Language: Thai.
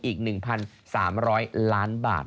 อีก๑๓๐๐ล้านบาท